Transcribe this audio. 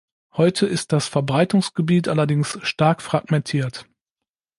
Heute ist das Verbreitungsgebiet allerdings stark fragmentiert.